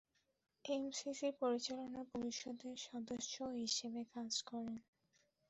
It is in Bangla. এমসিসি’র পরিচালনার পরিষদের সদস্য হিসেবে কাজ করেন।